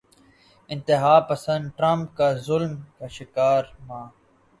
انتہا پسند ٹرمپ کے ظلم کی شکار ماں